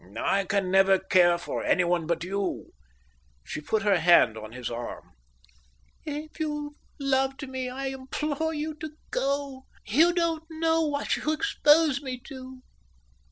"I can never care for anyone but you." She put her hand on his arm. "If you loved me, I implore you to go. You don't know what you expose me to.